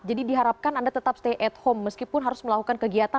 jadi diharapkan anda tetap stay at home meskipun harus melakukan kegiatan